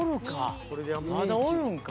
まだおるか。